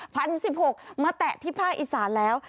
พันสิบหกมาแตะที่ภาคอีสานแล้ว